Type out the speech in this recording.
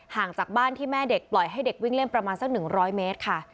ห่างจากบ้านที่แม่เด็กปล่อยให้เด็กวิ่งเล่นประมาณสัก๑๐๐เมตรค่ะ